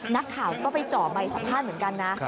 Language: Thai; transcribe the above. นักข่าวก็ไปเจาะใบสัมภาษณ์เหมือนกันนะ